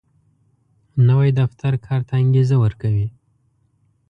نوی دفتر کار ته انګېزه ورکوي